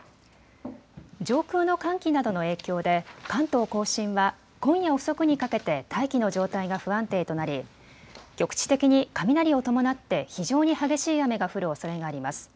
上空の寒気などの影響で関東甲信は今夜遅くにかけて大気の状態が不安定となり局地的に雷を伴って非常に激しい雨が降るおそれがあります。